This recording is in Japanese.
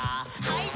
はい。